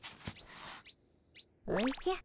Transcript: おじゃ。